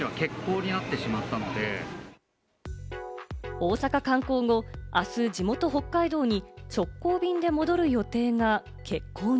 大阪観光後、あす地元・北海道に直行便で戻る予定が欠航に。